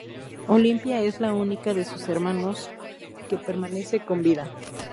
Olimpia es la única de sus hermanos que permanece con vida.